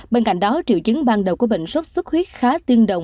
bên cạnh đó triệu chứng ban đầu của bệnh sốt xuất huyết khá tương đồng